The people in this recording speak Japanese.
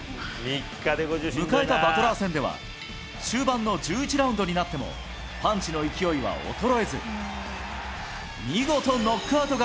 迎えたバトラー戦では、終盤の１１ラウンドになってもパンチの勢いは衰えず。